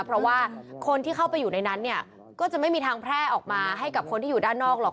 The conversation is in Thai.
เพราะว่าคนที่เข้าไปอยู่ในนั้นเนี่ยก็จะไม่มีทางแพร่ออกมาให้กับคนที่อยู่ด้านนอกหรอก